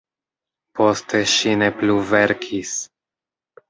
Poste ŝi ne plu verkis.